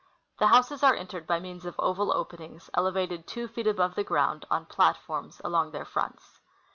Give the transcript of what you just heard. The houses are entered by means of oval openings, elevated tAVO feet above the ground on platforms along their fronts.